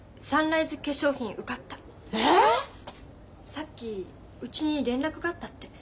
さっきうちに連絡があったって。